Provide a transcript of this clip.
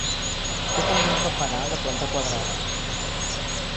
Té també un campanar de planta quadrada.